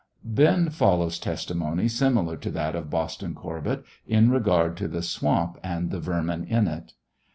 Then follows testimony similar to that of Boston Oorbett, in regard to the sw.imp and the vermin in it.